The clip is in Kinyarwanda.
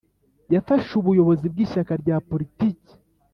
yafashe ubuyobozi bw'ishyaka rya politiki.